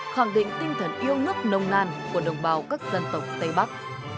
khẳng định tinh thần yêu nước nông nàn của đồng bào các dân tộc tây bắc